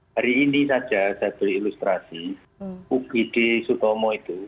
hari ini saja saya beri ilustrasi ugd sutomo itu